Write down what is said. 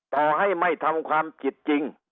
ต่อให้ไม่ทำความจิตจริง